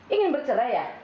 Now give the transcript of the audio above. ingin bercerai ya